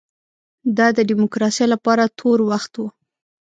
دا د ډیموکراسۍ لپاره تور وخت و.